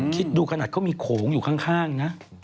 คิดดูขนาดเขามีโขงอยู่ข้างนะ